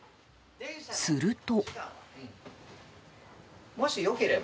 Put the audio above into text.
すると。